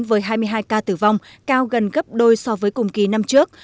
với hai mươi hai ca tử vong cao gần gấp đôi so với cùng kỳ năm trước